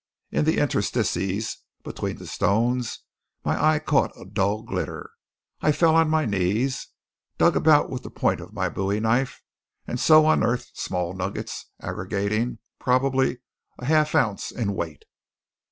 In the interstices between the stones my eye caught a dull glitter. I fell on my knees, dug about with the point of my bowie knife, and so unearthed small nuggets aggregating probably a half ounce in weight.